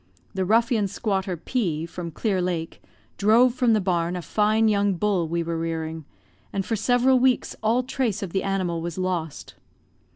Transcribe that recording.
The ruffian squatter P , from Clear Lake, drove from the barn a fine young bull we were rearing, and for several weeks all trace of the animal was lost.